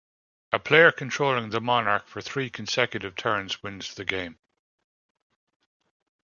A player controlling the monarch for three consecutive turns wins the game.